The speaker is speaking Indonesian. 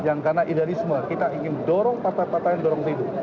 yang karena idealisme kita ingin dorong patah patah yang dorong hidup